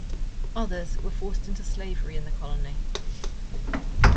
Others were forced into slavery in the colony.